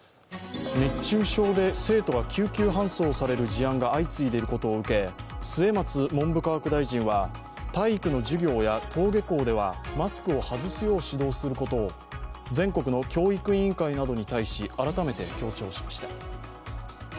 熱中症で生徒が救急搬送される事案が相次いでいることを受け末松文部科学大臣は体育の授業や登下校ではマスクを外すよう指導することを全国の教育委員会などに対し改めて強調しました。